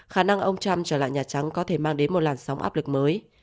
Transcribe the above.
khả năng ông trump trở lại nhà trắng có thể mang đến một làn sóng áp lực mới